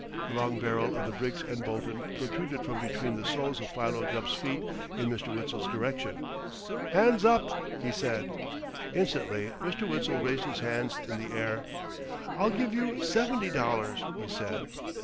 The long barrel of the Briggs & Bolton protruded from between the soles of Philo Gubb's feet in Mr. Witzel's direction. "Hands up!" he said. Instantly Mr. Witzel raised his hands in the air. "I'll give you seventy dollars," he said.